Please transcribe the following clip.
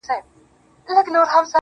اوس چي خبري كوم_